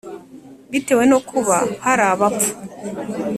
bitewe no kuba hari abapfu,